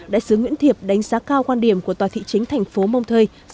đại sứ nguyễn thiệp đánh giá cao quan điểm của tòa thị chính thành phố montree